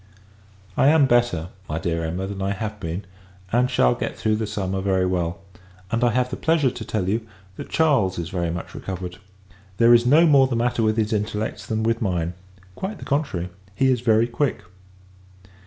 I am better, my dear Emma, than I have been, and shall get through the summer very well; and I have the pleasure to tell you, that Charles is very much recovered. There is no more the matter with his intellects, than with mine! Quite the contrary; he is very quick.